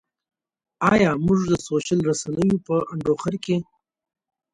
ایا موږ د سوشل رسنیو په انډوخر کې.